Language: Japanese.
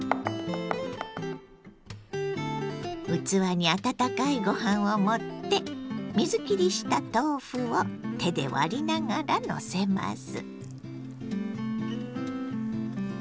器に温かいご飯を盛って水きりした豆腐を手で割りながらのせます。